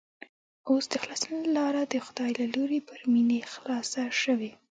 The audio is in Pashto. اوس د خلاصون لاره د خدای له لوري پر مينې خلاصه شوې